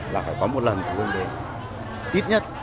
là phải có một lần phụ huynh đến ít nhất